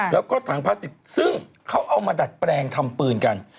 แล้วก็ถังพลาสติกซึ่งเขาเอามาดัดแปลงทำปืนกัน